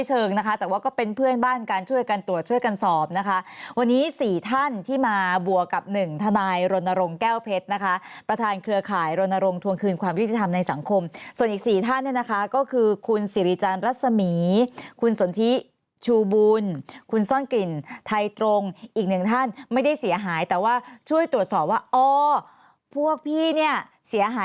เชิงนะคะแต่ว่าก็เป็นเพื่อนบ้านกันช่วยกันตรวจช่วยกันสอบนะคะวันนี้สี่ท่านที่มาบวกกับหนึ่งทนายรณรงค์แก้วเพชรนะคะประธานเครือข่ายรณรงค์ทวงคืนความยุติธรรมในสังคมส่วนอีก๔ท่านเนี่ยนะคะก็คือคุณสิริจันทร์รัศมีคุณสนทิชูบุญคุณซ่อนกลิ่นไทยตรงอีกหนึ่งท่านไม่ได้เสียหายแต่ว่าช่วยตรวจสอบว่าอ๋อพวกพี่เนี่ยเสียหาย